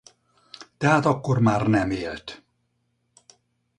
Tehát akkor már nem élt.